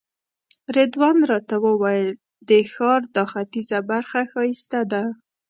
رضوان راته وویل د ښار دا ختیځه برخه ښایسته ده.